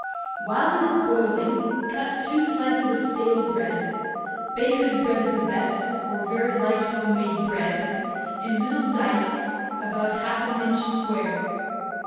While it is boiling cut two slices of stale bread bakers' bread is the best, or very light home made bread in little dice about half an inch square.